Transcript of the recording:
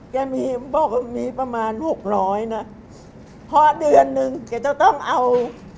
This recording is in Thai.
แกมีบอกมีประมาณหกร้อยนะเพราะเดือนหนึ่งแกจะต้องเอา